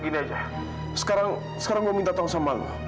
sekarang saya mau bertanya dengan kamu